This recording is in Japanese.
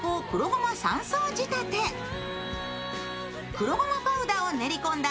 黒ごまパウダーを練り込んだ